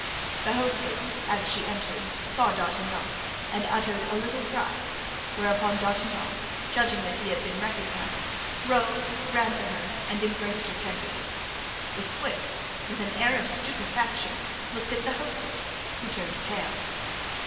The hostess, as she entered, saw D'Artagnan and uttered a little cry, whereupon D'Artagnan, judging that he had been recognized, rose, ran to her and embraced her tenderly. The Swiss, with an air of stupefaction, looked at the hostess, who turned pale.